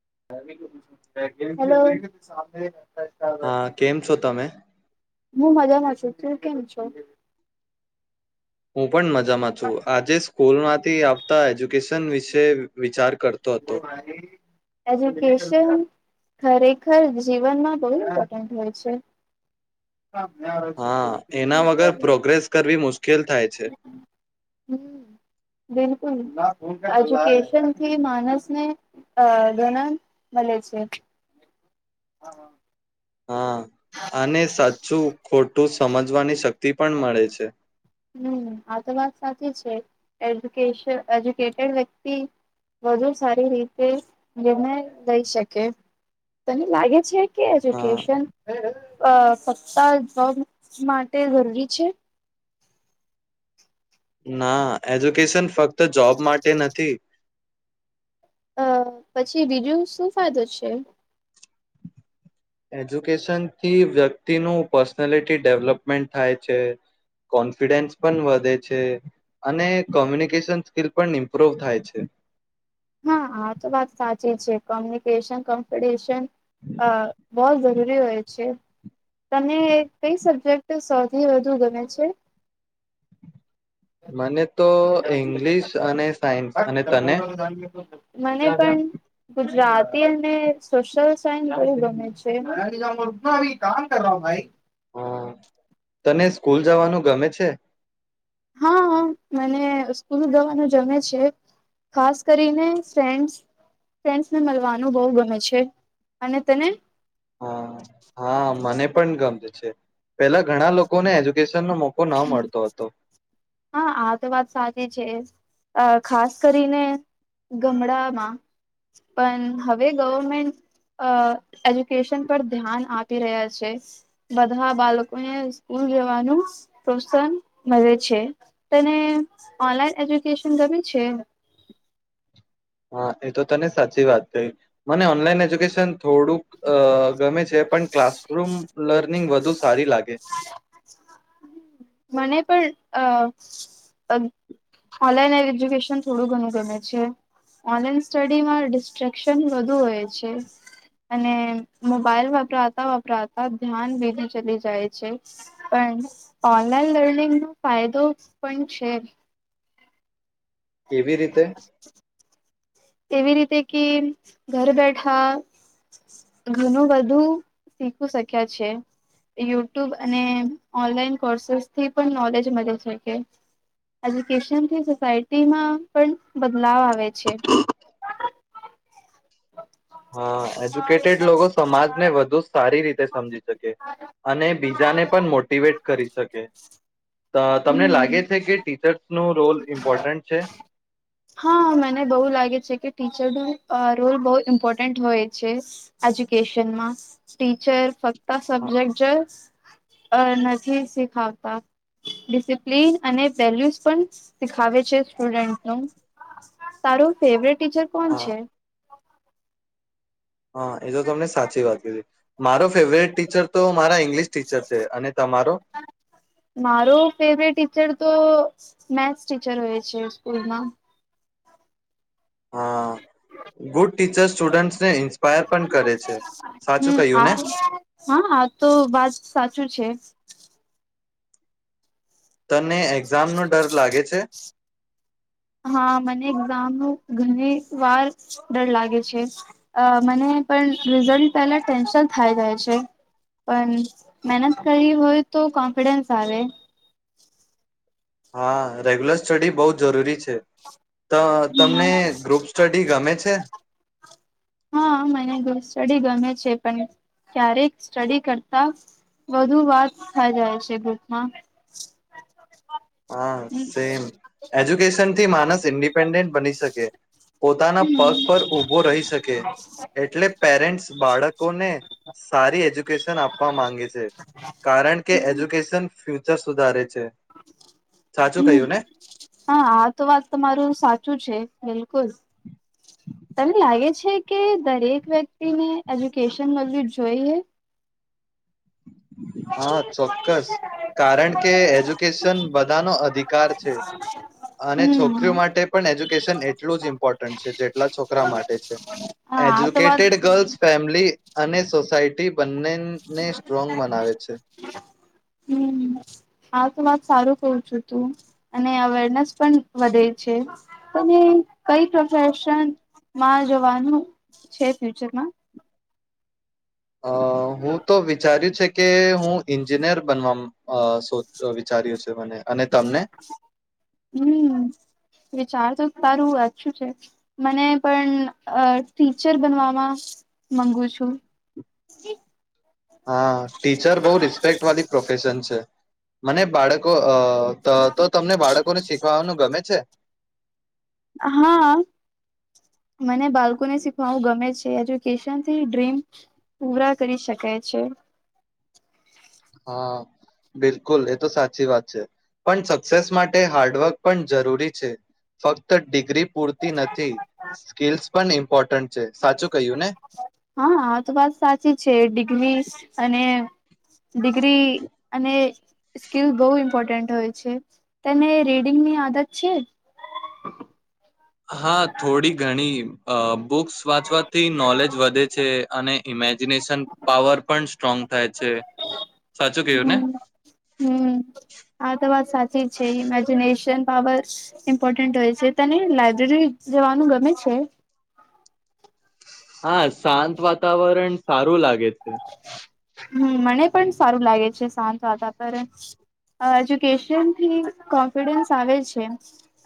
Hello. હા કેમ છો તમે? હું મજામાં છું, તું કેમ છો? હું પણ મજામાં છું આજે સ્કૂલ માંથી આવતા એજ્યુકેશન વિશે વિચાર. કરતો હતો એજુકેશન. ખરેખર જીવનમાં બહુ ઇમ્પોર્ટન્ટ હોય છે. હા એના વગર પ્રોગ્રેસ કરવી મુશ્કે કેલ થાય છે. એજ્યુકેશન થી માણસ ને અ ધનન મળે છે. હા હા. હા અને સાચું ખો ટું સમજવાની શક્તિ પણ મળે છે. હમ્મ આ તો વાત સાચી છે એજકેસન એજુકેટે વ્યક્તિ વધુ સારી રીતે નિર્ણય લઈ શકે. તને લાગે છે? કે હા એજુકેશન. અ સપતા જવાબ માટે જરૂરી છે. ના એજુકેશન ફક્ત જોબ માટે નથી. અ પછી બીજું શું ફાયદો છે? એજ્યુકેશનથી વ્યક્તિનું પર્સનાલિટી ડેવલપમેન્ટ થાય છે, કોન્ફિડન્સ પણ વધે છે, અને કોમ્યુનિકેશન સ્કિલ પણ ઇમ્પ્રુવ થાય છે. હા આ તો વાત સાચી છે કોમ્યુનિકેશન કોમ્પશન હ બોહ જરૂરી હોય છે, તમને કઈ સબજેક્ટ સૌથી વધુ ગમે છે? મને તો ઇંગ્લિશ અને સાયન્સ. અને તને? મને પણ ગુ રાતી અને સોશયલ સાયન્સ ગમે છે. હા તને સ્કૂલ જવાનું ગમે છે? હા મને સ્કૂલ ગવાનું જમે છે ખાસ કરીને ફ્રેન્ ફ્રેન્ડસ ને મળવાનું બહ ગમે છે. અને તને? હા હા મને પણ ગમે છે, પેલા ઘણા લોકોને એજ્યુકેન હા આ તો વાત સાચી છે. અ ખાસ કરીને ગમડામાં પણ હવે ગવર્મેન્ટ અ એજ્યુકેશન પર ધ્યાન આપી રહ્યા છે, બધા બાળકોને સ્કૂલ જવાનું. પ્રોત્સાહન મળે છે તને ઓનલાઈન એજ્યુકેશન ગમે છે? હા એ તો તને સાચી વાત કહી, મને ઓનલાઈન એજ્યુકેશન થોડુંક. અ ગમે છે પણ ક્લાસરૂમ લર્નિંગ વધુ સારી લાગે. મને પણ અ ઓનલાઈન એજ્યુકેશન થોડું ઘણું ગમે છે, ઓનલાઈન સ્ટડીમાં ડિસ્ટ્રેક્શન વધુ હોય છે અને મોબાઈલ વપરાતા વપરાતા ધ્યાન ભીગું ચલી જાય છે, પણ ઓનલાઈન લર્નિંગ ન ફાયદો પણ છે કેવી રીતે? એવી રીતે કે ઘર બેઠા ઘણું બધું શીખ શક્યા છે. યુટ્યુબ અને ઓનલાઈન કોર્સ થી પણ નોલેજ મળે છે કે, એજુકેશનથી સોસાયટીમાં પણ બદલાવ આવે છે. હા એજ્યુકેટેડ લોકો સમાજને વધુ સારી રી સમજી શકે અને બીજાને પણ મોટિવેટ કરી શકે. તમને હમ લાગે છે કે ટીચર્ નું હા મને બહ લાગે છે કે ટી ટીચર નો રોલ બહુ ઇમ્પોર્ટન્ટ હોય છે એજ્યુકેશનમાં ટીચર ફક્ત ત હા સબ્જેક્ટ જ અ નથી શીખાવતા, ડિસિપ્લન અને વેલ્યુઝ પણ શીખાવે છે સ્ટુડન્ટ નું, તારું ફેવરેટ ટીચર કોણ હા છે? હા એ તો તમને સાચી વાત કીધી, મારો ફેવરેટ ટીચર તો મારા ઇંગ્લિશ ટીચર છે અને તમારો? મારો ફેવરેટ ટીચર તો મેથ્સ ટીચર હોય છે સ્કૂલમાં. હા, ગુડ ટીચર્સ સ્ટુડન્ટ્સને ઇન્સ્પાયર પણ કરે છે, સાચું હમ કહ્યું ને. આ હા આ તો વાત સાચું છે. તને એક્ઝામ નો ડર લાગે છે? હા મને એક્ઝામ નો ઘણી વાર ડર લાગે છે, અ મને પણ રિઝલ્ટ પહેલા ટેન્શન થાય જાય છે, પણ મહેનત કરીવી હોય તો કોન્ફિડન્સ આવે. હા રેગ્યુલર સ્ટડી બહુ જ જરૂરી છે. તો તમને ગ્રુપ સ્ટડી ગમે છે? હા મને ગ્રુપ સ્ટડી ગમે છે પણ ક્યારેક સ્ટડી કરતા વધુ વાત થઈ જાય છે ગ્રુપમાં. હા સેમ હમ એજ્યુકેશન થી માણસ ઇન્ડિપેડન્ટ બની શકે, પોતાના પગ પર ઉભો રહી શકે, એટલે પેરેન્ટસ બાળકોને સારી એજ્યુકેશન આપવા માંગે છે, કારણ કે એજ્યુકેશન ફ્યુ ફ્યુચર સુધારે છે. સાચું હમ્મ. કહ્યું ને હા આ તો વાત તમારું સાચું છે. બિલકુલ. તને લાગે છે કે દરેક વ્યક્તિને એજ્યુકેશન મલવું જોઈએ? હા ચોક્કસ. કારણ કે એજ્યુકેશન બધાનો અધિકાર છે અને હમ છોકરીઓ માટે પણ એજ્યુકેશન એટલું જ ઇમ્પોર્ટન્ટ છે જેટલા છોકરા માટે છે. હા આ તો વાત એજ્યુકેટેડ ગર્લ્સ ફેમિલી અને સોસાઈ બંને ને સ્ટ્રોંગ મા ભાવે છે. હમ હા, તો વાત સારું કઉ છું તું અને અવેરનેસ પણ વધે છે. તમે કઈ પ્રોફેશનમાં જવાનું છે ફ્યુચરમાં? અહ હું તો વિચારી છે કે હું એન્જિનિયર બનવા અહ સો વિચાર્યું છે મને અને તમને? હમ વિચાર તો સારું અચ્છું છે. મને પણ અહ ટીચર બનવાવામાં મંગુ છું. હા, ટીચર બહુ રિસ્પેક્ટ વાળી પ્રોફેશન છે. મને બાળકો અહ ત-તો તમને બાળકોને શીખવાનું ગમે છે? હા. મને બાળલોને શીખાવુ ગમે છે, એજ્યુકેશન થી ડ્રીમ પૂરા કરી શકે છે. હા બિલકુલ એ તો સાચી વાત છે. પણ સક્સેસ માટે હાર્ડવર્ક પણ જરૂરી છે. ફક્ત ડિગ્રી પૂરતી નથી સ્કીલ્સ પણ ઇમ્પોર્ટન્ટ છે. સાચું કહ્યું ને હા આ તો વાત સાચી છે. ડિગ્રી અને ડિગ્રી અને સ્કીલ બહુ ઇમ્પોર્ટન્ટ હોય છે તેને રીડિંગની આદત છે? હા થોડી ઘણી અ બુક્સ વાંચવાથી નોલેજ વધે છે અને ઇમેજિનેશન પાવર પણ સ્ટ્રોંગ થાય છે. સાચું કયું ને? હમ હમ આ તો વાત સાચી છે ઇમેજિનેશન પાવર ઇમ્પોર્ટન્ટ હોય છે. તને લાઈબ્રેરી જવાનું ગમે છે? હા શાંત વાતાવરણ સારું લાગે. છે હમ્મ. મને પણ સારું લાગે છે સાંત વાતાવરણ, એજ્યુકેશનથી કોન્ફિડન્સ આવે છે.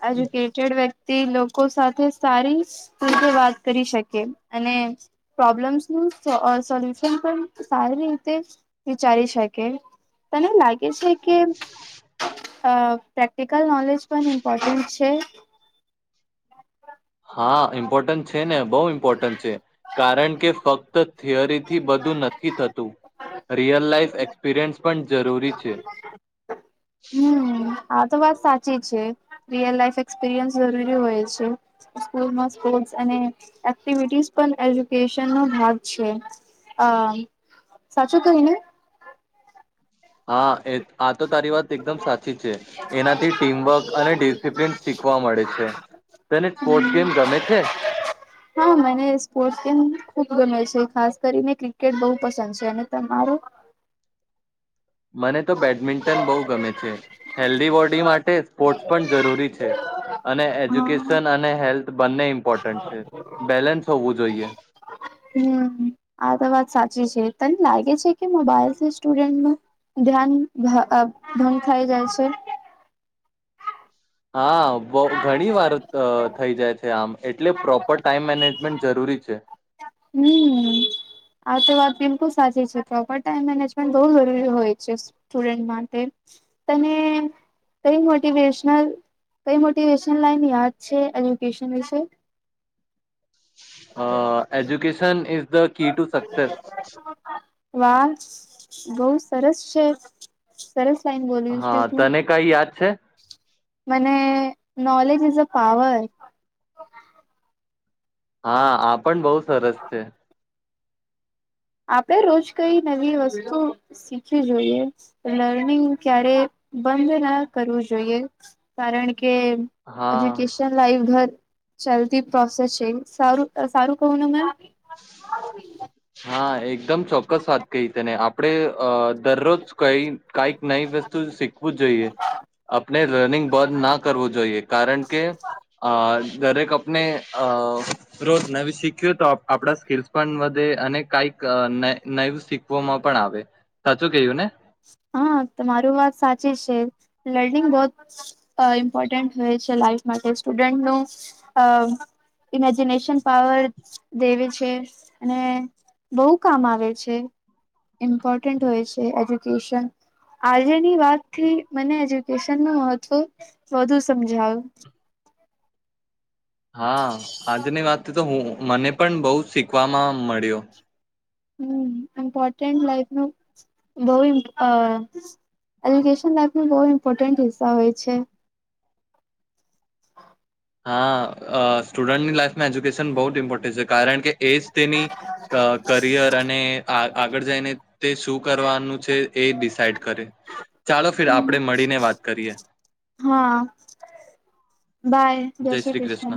એજ્યુકેટેડ વ્ય તે લોકો સાથે સારી રીતે વાત કરી શકે અને પ્રોબ્લમ્સ નું સોલ પણ સારી રીતે વિચારી શકે. તને લાગે છે કે અ પ્રેક્ટિકલ નોલેજ પણ ઇમ્પોર્ટન્ટ છે? હા ઇમ્પોર્ટન્ટ છે ને બહુ ઇમ્પોર્ટન્ટ છે, કારણ કે ફક ત તો થિયરીથી બધું નથી થતું રિયલ લાઈફ એક્સપિરિયન્સ પણ જરૂરી છે. હમ આ તો વાત સાચી છે રિયલ લાઈફ એક્સપિરિયન્સ જરૂરી હોય છે, સ્કૂલમાં સ્પોર્ટ્ અને એક્ટિવિટીસ પણ એજ્યુકેશનનો ભાગ છે. હ સાચું કહ્યું ને. હા એ આ તો તારી વાત એકદમ સાચી છે એનાથી ટીમવર્ક અને ડિસિપ્લન શીખવા મળે છે, તને સ્પોર્ટ્સ ગેમ ગમે છે? ખૂબ ગમે છે ખાસ કરીને ક્રિકેટ બહુ પસંદ છે, અને તમારે? મને તો બેડમિન્ટન બહુ ગમે છે, હેલ્ધી બોડી માટે સ્પોર્ટ્સ પણ જરૂરી છે. અને હા એજ્યુકેશન અને હેલ્થ બંને ઇમ્પોર્ટન્ટ છે બેલેન્સ હોવું જોઈએ. હમ. આ તો વાત સાચી છે, તને લાગે છે કે મોબાઈલથી સ્ટુડન્ટ નું, ધ્યાન ભંગ થાય જાય છે? હા બ ઘણી વાર થઈ જાય છે આમ એટલે પ્રોપર ટાઈમ મેનેજમેન્ટ જરૂરી છે. હમ આ તો વાત બિલકુલ સાચી છે પ્રોપર ટાઈમ મેનેજમેન્ટ બહુ જરૂરી હોય છે સ્ટુડન્ટ માટે, તને કઈ મોટેશનલ કઈ મોટિવેશન લાઈન યાદ છે એજ્યુકેશન વિશે? Uh education is the key to success. વાહ બહ સરસ છે, સરસ. લાઈન બોલ્યું છે હા તું તને કઈ યાદ છે? મને નોલેજ ઇઝ અ પાવર. હા આપ પણ બહુ સરસ છે. આપણે રોજ કઈ નવી વસ્તુ શીખવી જોઈએ, લર્નિંગ ક્યારે બંધ ના કરવું જોઈએ, કારણ કે કે હા એજ્યુકેશન લાઈફ ઘર ચલ્દી પ્રોસેસ છે સારું સારું કહું ન મેં. હા એક એકદમ ચોક્કસ વાત કહી તેને આપણે અ દરરોજ ક કઈક નઈ વસ્તુ શીખવું જોઈએ, આપણે રનિંગ બન ના કરવું જોઈએ કારણ કે, દરેક આપને નવી શીખ્યું તો આપ આપડા સ્કીલ્સ પણ વધે અને કઈક નવું શીખવામાં પણ આવે, સાચું કયું ને? હા તમાર વાત સાચી છે લર્નિંગ બહ ઇમ્પોર્ટન્ટ હોય છે લાઈફ માટે સ્ટુડન્ટનું ઇમેજિનેશન પાવર દેવે છે અને બહુ કામ આવે છે ઇમ્પોર્ટન્ટ હોય છે આજેની વાતથી મને એજુકેશન નું મહત્વ વધુ સમજાવું. હા આજની વાત તો હું મને પણ બહુ શીખવામાં મળ્યો. હમ્મ ઇમ્પોર્ટન્ટ લાઈફનું બહુ એજુકેન લાઈફ નું બહ ઇમ્પોર્ટન્ટ હિસ્સા હોય છે. હા અ સ્ટુડન્ટની લાઈફમાં એજુકેશન બહુ ઇમ્પોર્ટેન્ટ છે કારણ કે. એ જ તેની કરિયર અને આગળ જઈને તે શું. કરવાનું. છે એ ડિસઈ ચાલો આપ મળીને વાત કરીએ. હા બાય જય શ્રી કૃષ્ણ.